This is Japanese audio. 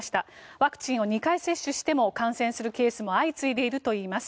ワクチンを２回接種しても感染するケースも相次いでいるといいます。